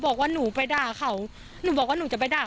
ก็กลายเป็นว่าติดต่อพี่น้องคู่นี้ไม่ได้เลยค่ะ